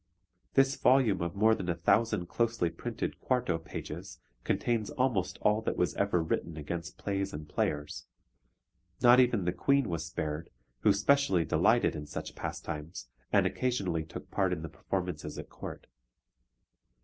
This volume of more than a thousand closely printed quarto pages contains almost all that was ever written against plays and players; not even the Queen was spared, who specially delighted in such pastimes, and occasionally took part in the performances at Court.